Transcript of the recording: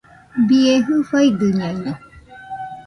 ¡Bie jɨfaidɨñaino!